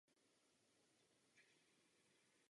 Ba měla být dokonce „součást zoologie“.